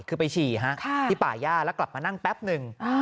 คือไปฉี่ที่ป่าย่าแล้วกลับมานั่งแป๊บหนึ่ง